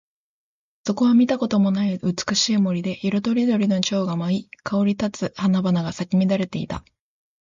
そこは見たこともない美しい森で、色とりどりの蝶が舞い、香り立つ花々が咲き乱れていた。